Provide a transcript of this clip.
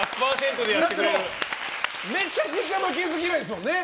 めちゃくちゃ負けず嫌いですもんね。